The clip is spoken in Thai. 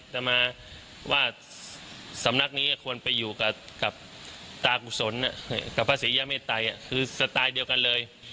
จะมาว่าสำนักนี้ควรไปอยู่กับตากุศลกับพระศรียาเมตัยคือสไตล์เดียวกันเลย